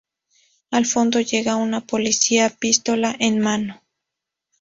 Al fondo llega un policía pistola en mano.